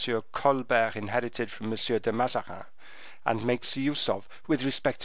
Colbert inherited from M. de Mazarin, and makes use of with respect to M.